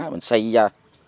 mình xây ra